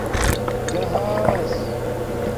جہاس